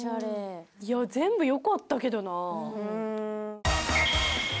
全部よかったけどな。